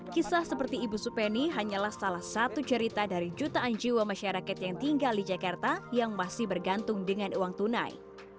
kisah seperti ibu supeni hanyalah salah satu cerita dari jutaan jiwa masyarakat yang tinggal di jakarta yang masih bergantung dengan uang tunai